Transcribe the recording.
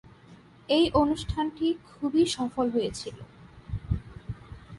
এই অনুষ্ঠানটি খুবই সফল হয়েছিল।